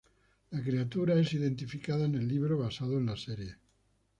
La criatura es identificada en el libro basado en la serie.